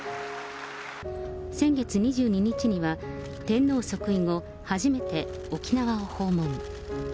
先月２２日には、天皇即位後初めて沖縄を訪問。